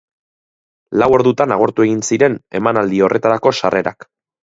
Lau ordutan agortu egin ziren emanaldi horretarako sarrerak.